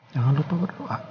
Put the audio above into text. jangan lupa berdoa